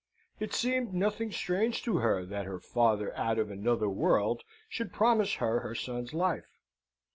It seemed nothing strange to her, that her father out of another world should promise her her son's life.